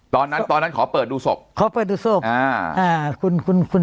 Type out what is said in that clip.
ตอนนั้นตอนนั้นขอเปิดดูศพขอเปิดดูศพอ่าอ่าคุณคุณ